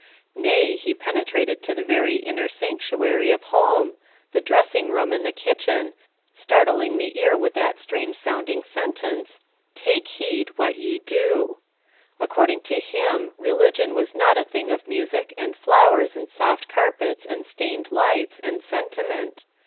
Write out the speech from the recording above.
Nay, he penetrated to the very inner sanctuary of home the dressing room and the kitchen startling the ear with that strange sounding sentence: "Take heed what ye do." According to him religion was not a thing of music, and flowers, and soft carpets, and stained lights, and sentiment.